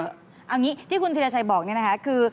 เอาอย่างนี้ที่คุณธีรชัยบอกเนี่ยนะคะคือ